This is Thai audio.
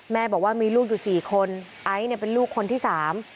บอกว่ามีลูกอยู่สี่คนไอซ์เนี่ยเป็นลูกคนที่สาม